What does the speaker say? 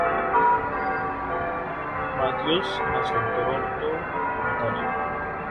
Mathews nació en Toronto, Ontario.